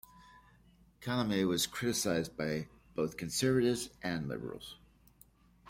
Calame was criticized by both conservatives and liberals.